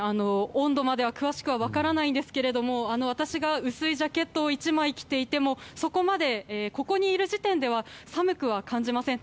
温度までは詳しく分からないんですけれども私が薄いジャケットを１枚着ていてもそこまで、ここにいる時点では寒くは感じません。